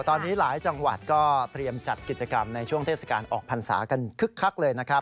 ตอนนี้หลายจังหวัดก็เตรียมจัดกิจกรรมในช่วงเทศกาลออกพรรษากันคึกคักเลยนะครับ